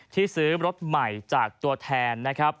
ที่ซื้อรถใหม่จากตัวแทน